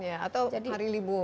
atau hari libur